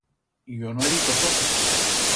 Yo no he dito cosa.